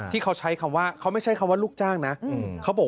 ที่เขาใช้คำว่าเขาไม่ใช่คำว่าลูกจ้างนะเขาบอก